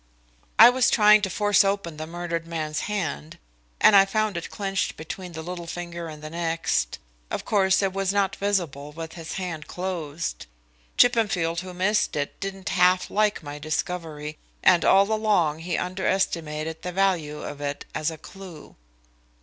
"I was trying to force open the murdered man's hand, and I found it clenched between the little finger and the next. Of course it was not visible with his hand closed. Chippenfield, who missed it, didn't half like my discovery, and all along he underestimated the value of it as a clue."